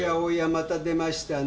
また出ましたね。